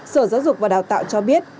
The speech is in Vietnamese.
sở giáo dục và đào tạo cho biết